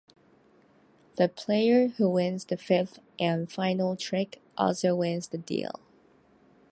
The player who wins the fifth and final trick also wins the deal.